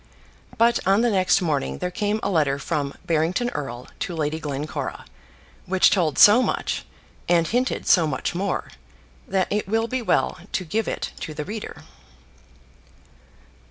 But on the next morning there came a letter from Barrington Erle to Lady Glencora, which told so much, and hinted so much more, that it will be well to give it to the reader.